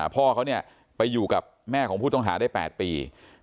พ่อเขาไปอยู่กับแม่ของผู้ต้องหาได้๘ปี